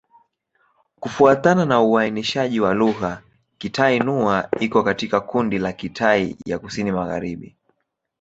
Kufuatana na uainishaji wa lugha, Kitai-Nüa iko katika kundi la Kitai ya Kusini-Magharibi.